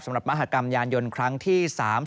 สำหรับมหากรรมยานยนต์ครั้งที่๓๒